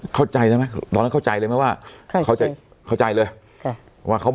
เข้าใจเลยมั้ยเดี๋ยวนั้นเข้าใจเลยมั้ยว่า